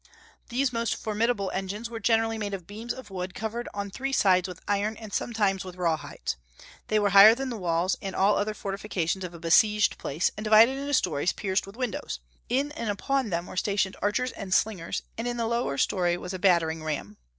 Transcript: These most formidable engines were generally made of beams of wood covered on three sides with iron and sometimes with rawhides. They were higher than the walls and all the other fortifications of a besieged place, and divided into stories pierced with windows; in and upon them were stationed archers and slingers, and in the lower story was a battering ram.